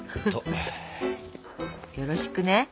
よろしくね。